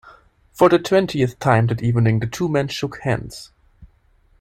For the twentieth time that evening the two men shook hands.